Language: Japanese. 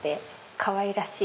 かわいらしい。